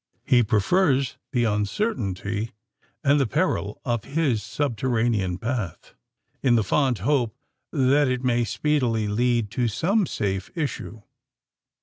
He prefers the uncertainty and the peril of his subterranean path, in the fond hope that it may speedily lead to some safe issue.